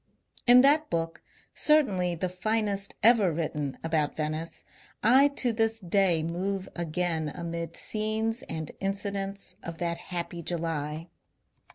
In that book — certainly the finest ever written about Venice — I to this day move again amid scenes and incidents of that happy July.